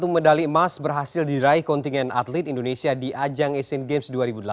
satu medali emas berhasil diraih kontingen atlet indonesia di ajang asian games dua ribu delapan belas